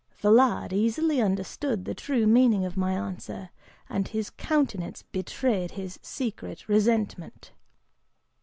The lad easily understood the true meaning of my answer, and his countenance betrayed his secret resentment.)"